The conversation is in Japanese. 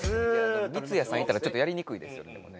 三津谷さんいたらちょっとやりにくいですよねでもね。